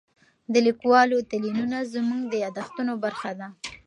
د لیکوالو تلینونه زموږ د یادښتونو برخه ده.